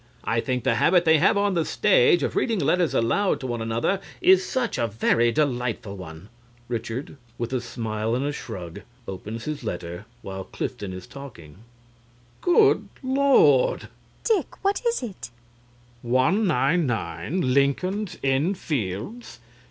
I think the habit they have on the stage of reading letters aloud to other is such a very delightful one. (RICHARD, with a smile and a shrug, has opened his letter while CLIFTON is talking.) RICHARD. Good Lord! VIOLA. Dick, what is it? RICHARD (reading). "199, Lincoln's Inn Fields.